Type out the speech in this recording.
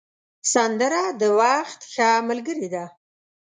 سندره د وخت ښه ملګرې ده